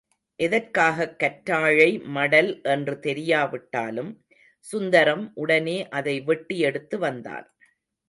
எதற்காகக் கற்றாழை மடல் என்று தெரியாவிட்டாலும் சுந்தரம் உடனே அதை வெட்டி எடுத்து வந்தான்.